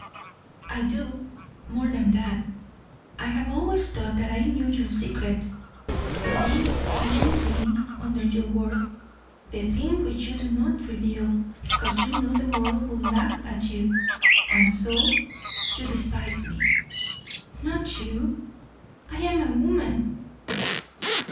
"I do. More than that I have always thought that I knew your secret the big, hidden thing under your work, the thing which you do not reveal because you know the world would laugh at you. And so you despise me!" "Not you." "I am a woman."